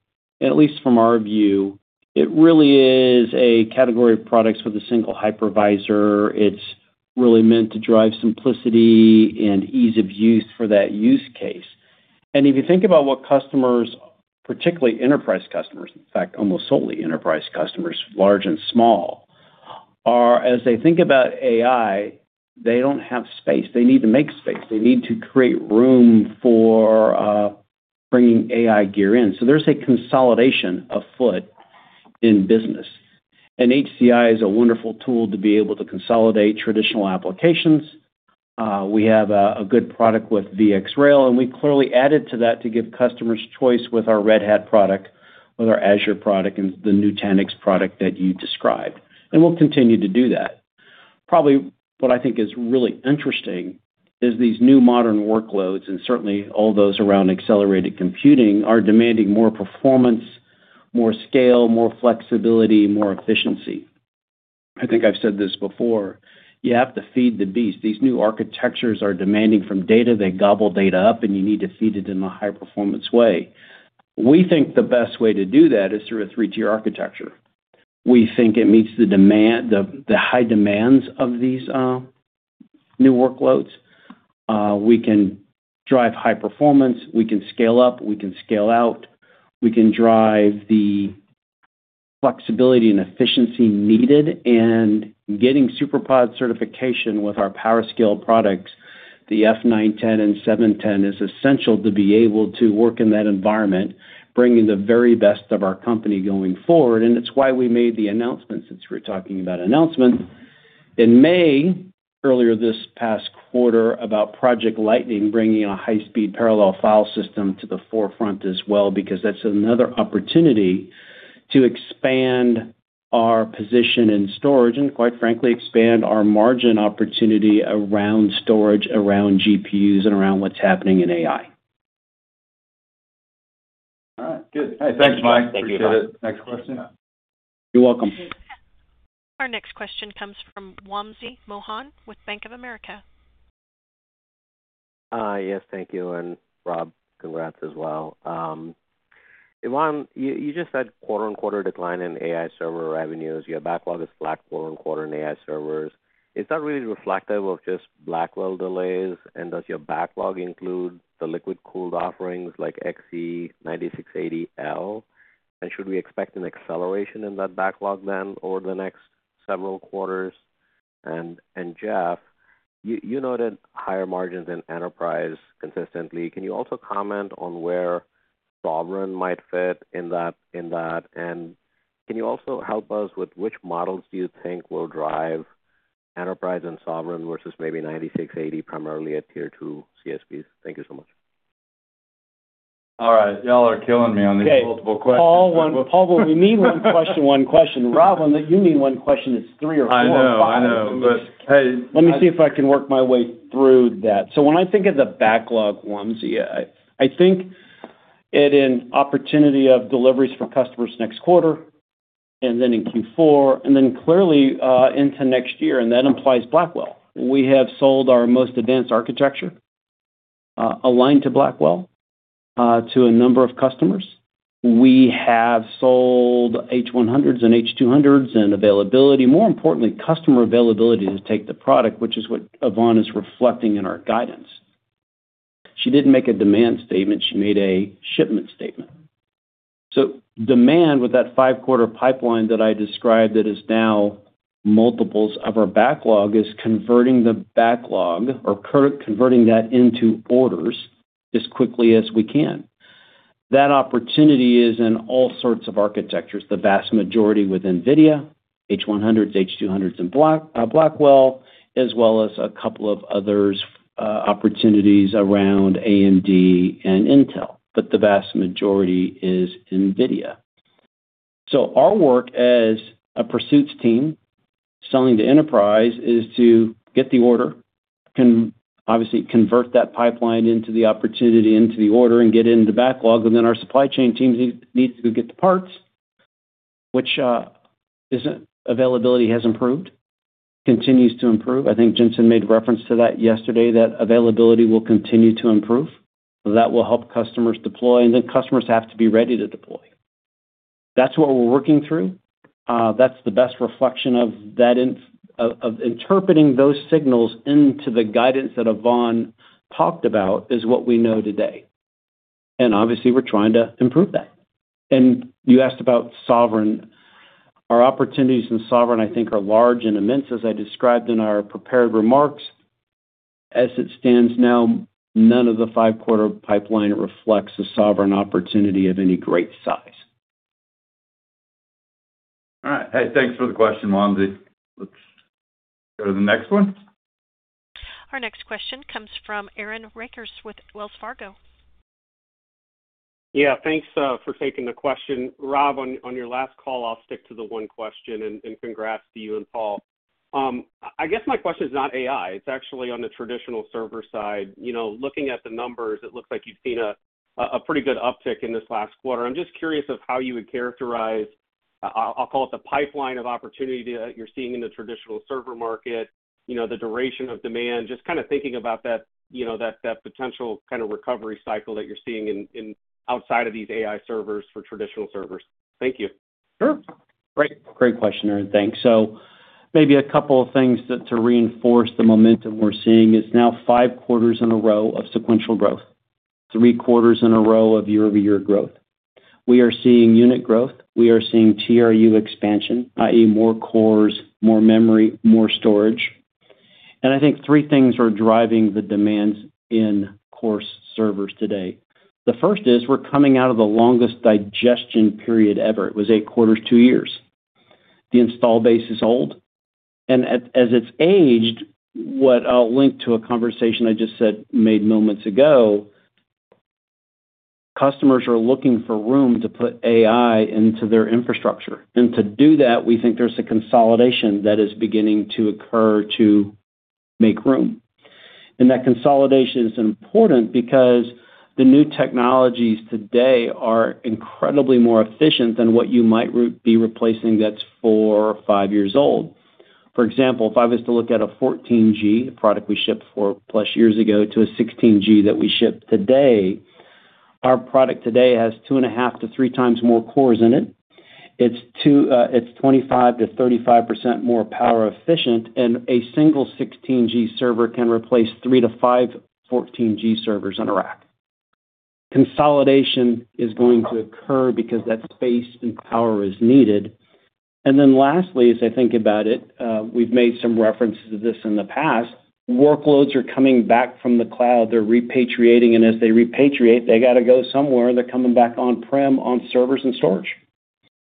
S3: at least from our view, it really is a category of products with a single hypervisor. It's really meant to drive simplicity and ease of use for that use case. And if you think about what customers, particularly enterprise customers, in fact, almost solely enterprise customers, large and small, are as they think about AI, they don't have space. They need to make space. They need to create room for bringing AI gear in. So there's a consolidation afoot in business, and HCI is a wonderful tool to be able to consolidate traditional applications. We have a good product with VxRail, and we clearly added to that to give customers choice with our Red Hat product, with our Azure product, and the Nutanix product that you described. And we'll continue to do that. Probably what I think is really interesting is these new modern workloads, and certainly all those around accelerated computing, are demanding more performance, more scale, more flexibility, more efficiency. I think I've said this before, you have to feed the beast. These new architectures are demanding from data. They gobble data up, and you need to feed it in a high-performance way. We think the best way to do that is through a three-tier architecture. We think it meets the demand, the high demands of these new workloads. We can drive high performance. We can scale up, we can scale out. We can drive the flexibility and efficiency needed, and getting SuperPOD certification with our PowerScale products, the F910 and F710, is essential to be able to work in that environment, bringing the very best of our company going forward, and it's why we made the announcement, since we're talking about announcements. In May, earlier this past quarter, about Project Lightning, bringing a high-speed parallel file system to the forefront as well, because that's another opportunity to expand our position in storage and, quite frankly, expand our margin opportunity around storage, around GPUs, and around what's happening in AI.
S2: All right, good. Thanks, Mike. Appreciate it. Next question?
S3: You're welcome.
S1: Our next question comes from Wamsi Mohan with Bank of America.
S12: Yes, thank you, and Rob, congrats as well. Yvonne, you just said quarter on quarter decline in AI server revenues. Your backlog is flat quarter on quarter in AI servers. Is that really reflective of just Blackwell delays, and does your backlog include the liquid-cooled offerings like XE9680L? And should we expect an acceleration in that backlog then over the next several quarters? Jeff, you noted higher margins in enterprise consistently. Can you also comment on where sovereign might fit in that? And can you also help us with which models do you think will drive enterprise and sovereign versus maybe 9680, primarily at Tier 2 CSPs? Thank you so much.
S2: All right, y'all are killing me on these multiple questions.
S3: Paul, we mean one question, one question. Rob, when you mean one question, it's three or four or five.
S2: I know, I know, but hey-
S3: Let me see if I can work my way through that. So when I think of the backlog, Wamsi, I think it in opportunity of deliveries for customers next quarter and then in Q4, and then clearly, into next year, and that implies Blackwell. We have sold our most advanced architecture, aligned to Blackwell, to a number of customers. We have sold H100s and H200s and availability, more importantly, customer availability to take the product, which is what Yvonne is reflecting in our guidance. She didn't make a demand statement, she made a shipment statement. So demand with that five-quarter pipeline that I described, that is now multiples of our backlog, is converting the backlog or converting that into orders as quickly as we can. That opportunity is in all sorts of architectures, the vast majority with NVIDIA, H100, H200s and Blackwell, as well as a couple of others, opportunities around AMD and Intel, but the vast majority is NVIDIA. So our work as a pursuits team, selling to enterprise, is to get the order, obviously, convert that pipeline into the opportunity, into the order, and get it into backlog. And then our supply chain teams needs to get the parts, which availability has improved, continues to improve. I think Jensen made reference to that yesterday, that availability will continue to improve. That will help customers deploy, and then customers have to be ready to deploy. That's what we're working through. That's the best reflection of that of interpreting those signals into the guidance that Yvonne talked about, is what we know today. Obviously, we're trying to improve that. You asked about sovereign. Our opportunities in sovereign, I think, are large and immense, as I described in our prepared remarks. As it stands now, none of the five-quarter pipeline reflects a sovereign opportunity of any great size.
S2: All right. Hey, thanks for the question, Wamsi. Let's go to the next one.
S1: Our next question comes from Aaron Rakers with Wells Fargo. ...
S13: Yeah, thanks for taking the question. Rob, on your last call, I'll stick to the one question, and congrats to you and Paul. I guess my question is not AI. It's actually on the traditional server side. You know, looking at the numbers, it looks like you've seen a pretty good uptick in this last quarter. I'm just curious of how you would characterize, I'll call it the pipeline of opportunity that you're seeing in the traditional server market, you know, the duration of demand, just kind of thinking about that, you know, that potential kind of recovery cycle that you're seeing in outside of these AI servers for traditional servers. Thank you.
S3: Sure. Great. Great question, Aaron. Thanks. So maybe a couple of things to reinforce the momentum we're seeing is now five quarters in a row of sequential growth, three quarters in a row of year-over-year growth. We are seeing unit growth. We are seeing AUR expansion, i.e., more cores, more memory, more storage. And I think three things are driving the demands in core servers today. The first is we're coming out of the longest digestion period ever. It was eight quarters, two years. The install base is old, and as it's aged, what I'll link to a conversation I just had moments ago, customers are looking for room to put AI into their infrastructure. And to do that, we think there's a consolidation that is beginning to occur to make room. And that consolidation is important because the new technologies today are incredibly more efficient than what you might be replacing that's four or five years old. For example, if I was to look at a 14G, a product we shipped four plus years ago, to a 16G that we ship today, our product today has two and a half to three times more cores in it. It's two, it's 25%-35% more power efficient, and a single 16G server can replace three to five 14G servers on a rack. Consolidation is going to occur because that space and power is needed. And then lastly, as I think about it, we've made some references to this in the past, workloads are coming back from the cloud. They're repatriating, and as they repatriate, they got to go somewhere, and they're coming back on-prem, on servers and storage.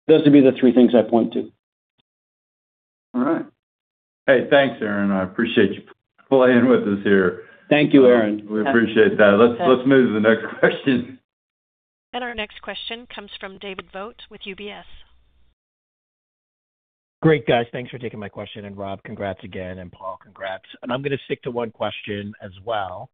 S3: Those would be the three things I'd point to.
S2: All right. Hey, thanks, Aaron. I appreciate you playing with us here.
S3: Thank you, Aaron.
S2: We appreciate that. Let's move to the next question.
S1: Our next question comes from David Vogt with UBS.
S14: Great, guys. Thanks for taking my question. And Rob, congrats again, and Paul, congrats. And I'm gonna stick to one question as well.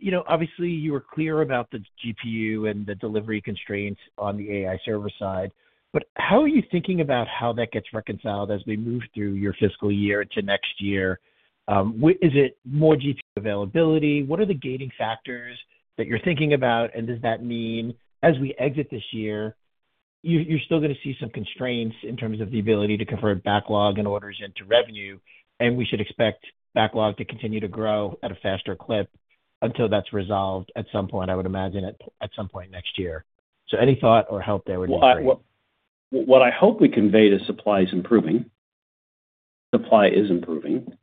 S14: You know, obviously, you were clear about the GPU and the delivery constraints on the AI server side, but how are you thinking about how that gets reconciled as we move through your fiscal year to next year? Is it more GPU availability? What are the gating factors that you're thinking about, and does that mean as we exit this year, you're still gonna see some constraints in terms of the ability to convert backlog and orders into revenue, and we should expect backlog to continue to grow at a faster clip until that's resolved at some point, I would imagine, at some point next year? So any thought or help there would be great.
S3: Well, what I hope we convey is supply is improving. Supply is improving.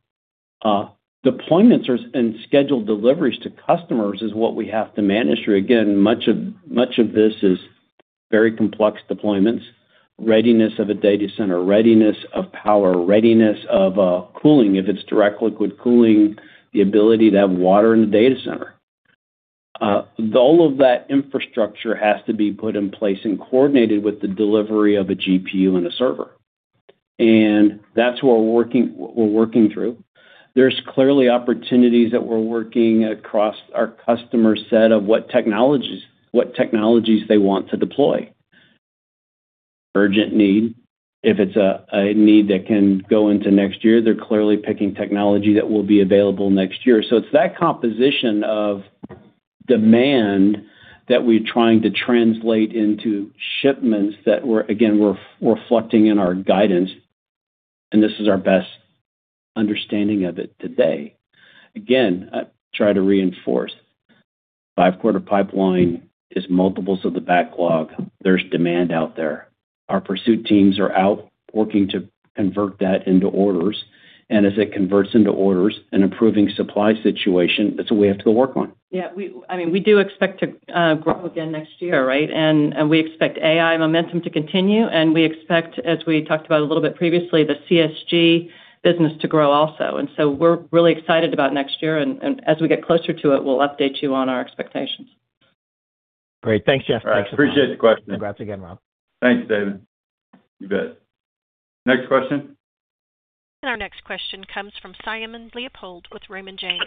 S3: Deployments and scheduled deliveries to customers is what we have to manage through. Again, much of this is very complex deployments, readiness of a data center, readiness of power, readiness of cooling. If it's direct liquid cooling, the ability to have water in the data center. All of that infrastructure has to be put in place and coordinated with the delivery of a GPU and a server. And that's what we're working through. There's clearly opportunities that we're working across our customer set of what technologies they want to deploy. Urgent need, if it's a need that can go into next year, they're clearly picking technology that will be available next year. It's that composition of demand that we're trying to translate into shipments that we're again reflecting in our guidance, and this is our best understanding of it today. Again, I try to reinforce, five-quarter pipeline is multiples of the backlog. There's demand out there. Our pursuit teams are out working to convert that into orders, and as it converts into orders, an improving supply situation, that's what we have to go work on.
S4: Yeah, we, I mean, we do expect to grow again next year, right? And we expect AI momentum to continue, and we expect, as we talked about a little bit previously, the CSG business to grow also. And so we're really excited about next year, and as we get closer to it, we'll update you on our expectations.
S14: Great. Thanks, Jeff.
S2: All right. Appreciate the question.
S14: Congrats again, Rob.
S2: Thanks, David. You bet. Next question?
S1: Our next question comes from Simon Leopold with Raymond James.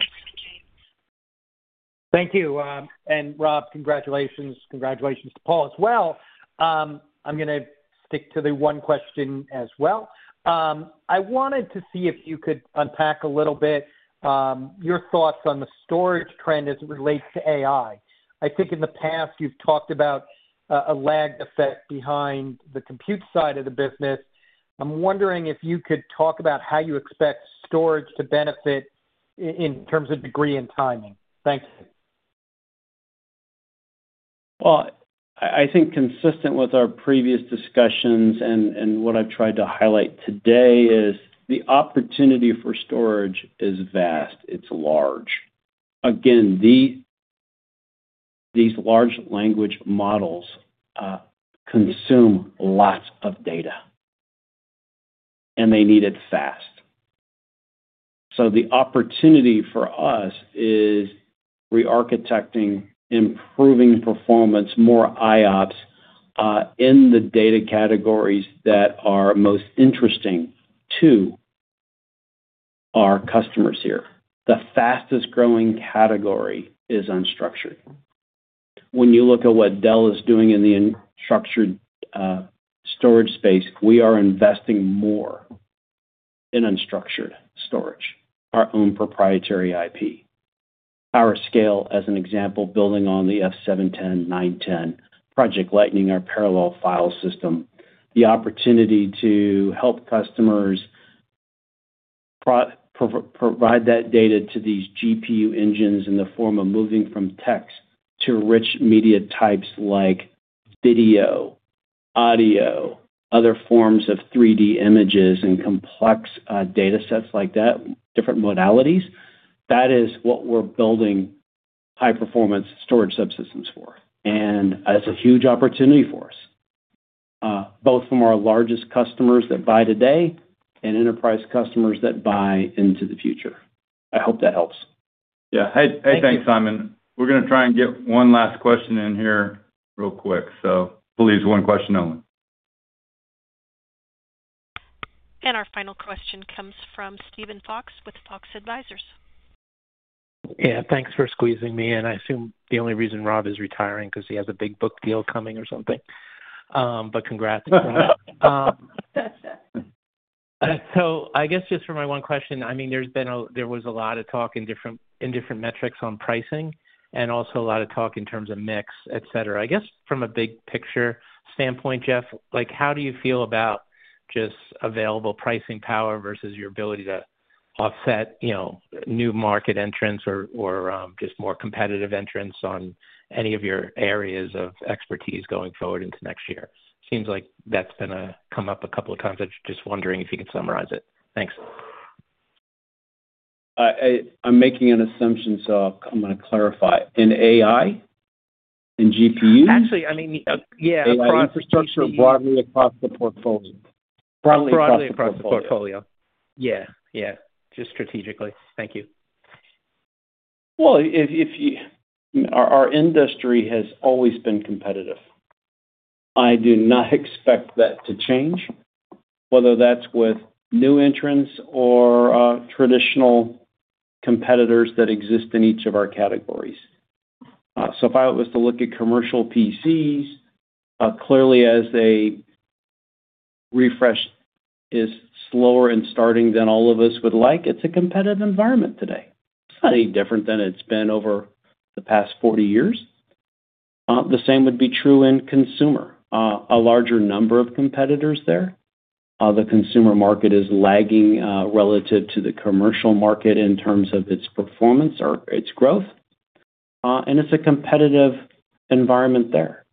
S15: Thank you, and Rob, congratulations. Congratulations to Paul as well. I'm gonna stick to the one question as well. I wanted to see if you could unpack a little bit, your thoughts on the storage trend as it relates to AI. I think in the past, you've talked about a lag effect behind the compute side of the business. I'm wondering if you could talk about how you expect storage to benefit in terms of degree and timing. Thank you.
S3: I think consistent with our previous discussions and what I've tried to highlight today is the opportunity for storage is vast. It's large. Again, these large language models consume lots of data and they need it fast. So the opportunity for us is re-architecting, improving performance, more IOPS in the data categories that are most interesting to our customers here. The fastest-growing category is unstructured. When you look at what Dell is doing in the unstructured storage space, we are investing more in unstructured storage, our own proprietary IP. PowerScale, as an example, building on the F710, F910, Project Lightning, our parallel file system, the opportunity to help customers provide that data to these GPU engines in the form of moving from text to rich media types like video, audio, other forms of 3D images, and complex data sets like that, different modalities, that is what we're building high-performance storage subsystems for. And that's a huge opportunity for us both from our largest customers that buy today and enterprise customers that buy into the future. I hope that helps.
S2: Yeah. Hey, hey, thanks, Simon. We're going to try and get one last question in here real quick, so please, one question only.
S1: Our final question comes from Steven Fox with Fox Advisors.
S16: Yeah, thanks for squeezing me in. I assume the only reason Rob is retiring, 'cause he has a big book deal coming or something. But congrats. So I guess just for my one question, I mean, there's been a lot of talk in different, in different metrics on pricing and also a lot of talk in terms of mix, et cetera. I guess from a big picture standpoint, Jeff, like, how do you feel about just available pricing power versus your ability to offset, you know, new market entrants or, or, just more competitive entrants on any of your areas of expertise going forward into next year? Seems like that's come up a couple of times. I'm just wondering if you could summarize it. Thanks.
S3: I'm making an assumption, so I'm going to clarify. In AI? In GPU?
S4: Actually, I mean, yeah, across-
S3: AI infrastructure, broadly across the portfolio.
S16: Broadly across the portfolio. Yeah. Yeah, just strategically. Thank you.
S3: Our industry has always been competitive. I do not expect that to change, whether that's with new entrants or traditional competitors that exist in each of our categories. So if I was to look at commercial PCs, clearly as a refresh is slower and starting than all of us would like, it's a competitive environment today. It's not any different than it's been over the past 40 years. The same would be true in consumer. A larger number of competitors there. The consumer market is lagging relative to the commercial market in terms of its performance or its growth. And it's a competitive environment there.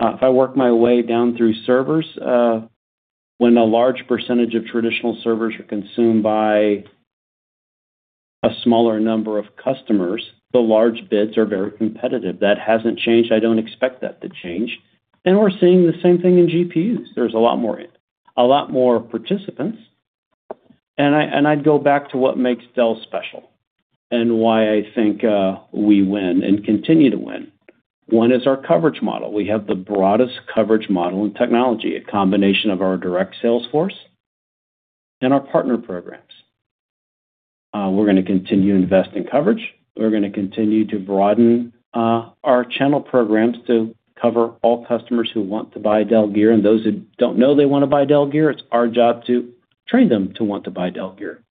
S3: If I work my way down through servers, when a large percentage of traditional servers are consumed by a smaller number of customers, the large bids are very competitive. That hasn't changed. I don't expect that to change, and we're seeing the same thing in GPUs. There's a lot more, a lot more participants, and I, and I'd go back to what makes Dell special and why I think, we win and continue to win. One is our coverage model. We have the broadest coverage model in technology, a combination of our direct sales force and our partner programs. We're going to continue to invest in coverage. We're going to continue to broaden, our channel programs to cover all customers who want to buy Dell gear, and those who don't know they want to buy Dell gear, it's our job to train them to want to buy Dell gear.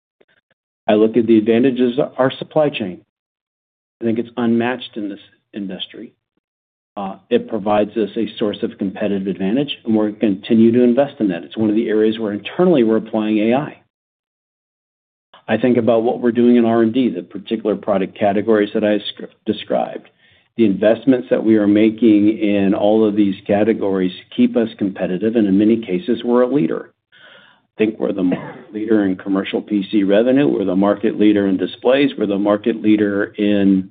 S3: I look at the advantages of our supply chain. I think it's unmatched in this industry. It provides us a source of competitive advantage, and we're going to continue to invest in that. It's one of the areas where internally, we're applying AI. I think about what we're doing in R&D, the particular product categories that I described. The investments that we are making in all of these categories keep us competitive, and in many cases, we're a leader. I think we're the market leader in commercial PC revenue. We're the market leader in displays. We're the market leader in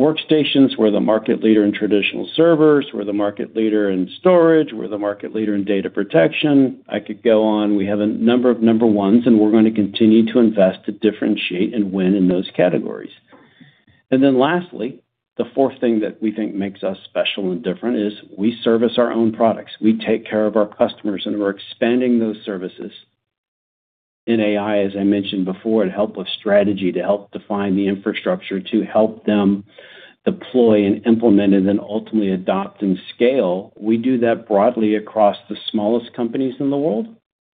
S3: workstations. We're the market leader in traditional servers. We're the market leader in storage. We're the market leader in data protection. I could go on. We have a number of number ones, and we're going to continue to invest to differentiate and win in those categories. And then lastly, the fourth thing that we think makes us special and different is, we service our own products. We take care of our customers, and we're expanding those services. In AI, as I mentioned before, it help with strategy, to help define the infrastructure, to help them deploy and implement and then ultimately adopt and scale. We do that broadly across the smallest companies in the world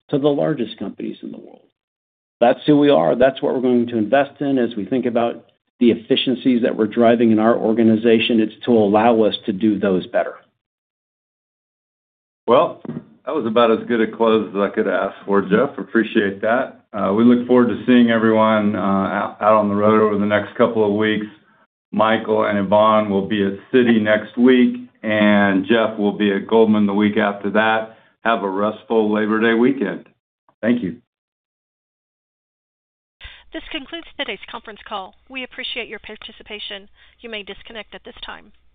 S3: to the largest companies in the world. That's who we are. That's what we're going to invest in. As we think about the efficiencies that we're driving in our organization, it's to allow us to do those better.
S2: Well, that was about as good a close as I could ask for, Jeff. Appreciate that. We look forward to seeing everyone out on the road over the next couple of weeks. Michael and Yvonne will be at Citi next week, and Jeff will be at Goldman the week after that. Have a restful Labor Day weekend. Thank you.
S1: This concludes today's conference call. We appreciate your participation. You may disconnect at this time.